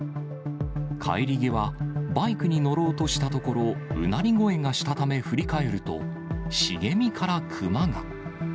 帰り際、バイクに乗ろうとしたところ、うなり声がしたため振り返ると、茂みからクマが。